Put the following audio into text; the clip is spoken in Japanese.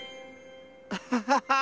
アハハハー！